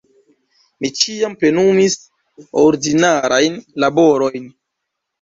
Mi ĉiam plenumis ordinarajn laborojn.